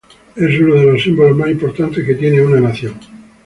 Es uno de los símbolos más importantes que tiene una nación.